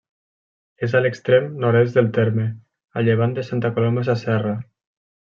És a l'extrem nord-est del terme, a llevant de Santa Coloma Sasserra.